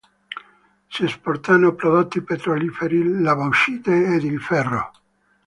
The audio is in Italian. Si esportano prodotti petroliferi, la bauxite ed il ferro.